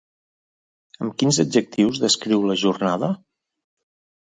Amb quins adjectius descriu la jornada?